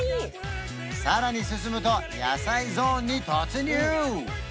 さらに進むと野菜ゾーンに突入！